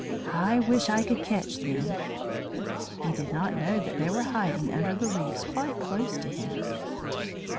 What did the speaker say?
"I wish I could catch them." He did not know that they were hiding under the leaves quite close to him.